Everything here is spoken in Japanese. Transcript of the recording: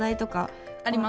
あります。